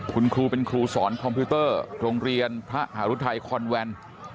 คุณครูเป็นครูสอนคอมพิวเตอร์โรงเรียนพระหารุทัยคอนแวน